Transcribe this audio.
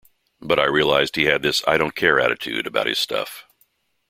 But I realized he had this I-don't-care attitude about his stuff.